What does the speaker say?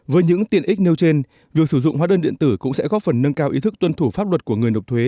với những tiện ích nêu trên việc sử dụng hóa đơn điện tử cũng sẽ góp phần nâng cao ý thức tuân thủ pháp luật của người nộp thuế